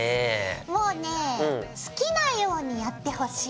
もうね好きなようにやってほしい。